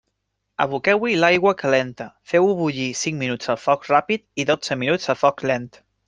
Aboqueu-hi l'aigua calenta, feu-ho bullir cinc minuts a foc ràpid i dotze minuts a foc lent.